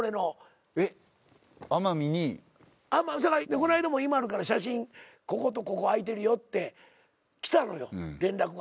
こないだもＩＭＡＬＵから写真こことここ空いてるよって来たのよ連絡が。